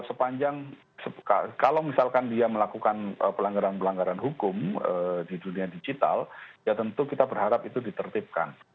sepanjang kalau misalkan dia melakukan pelanggaran pelanggaran hukum di dunia digital ya tentu kita berharap itu ditertibkan